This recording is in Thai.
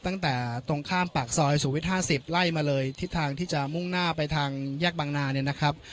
ตั้งแต่ตรงข้ามปากซอยสุวิทย๕๐ไล่มาเลยทิศทางที่จะมุ่งหน้าไปทางแยกบางนาเนี่ยนะครับ